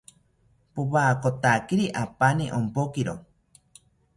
Powakotakiri apani ompokiro